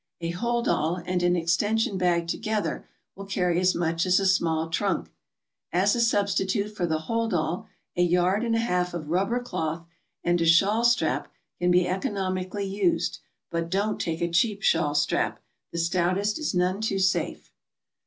A hold all and an extension bag together will carry as much as a small trunk. As a substitute for the hold all, a yard and a half of rubber cloth and a shawl strap can be economically used, but don't take a cheap shawl strap; the stoutest is none too safe.